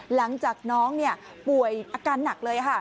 หลังจากน้องป่วยอาการหนักเลยค่ะ